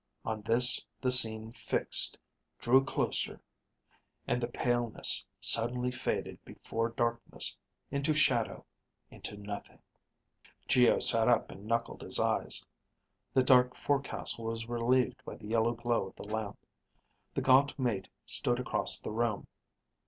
On this the scene fixed, drew closer ... and the paleness suddenly faded before darkness, into shadow, into nothing._ Geo sat up and knuckled his eyes. The dark forecastle was relieved by the yellow glow of the lamp. The gaunt mate stood across the room.